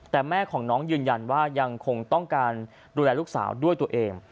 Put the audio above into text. แต่แม่ของน้องยืนยันว่ายังคงต้องการดูแลลูกสาวด้วยตัวเอง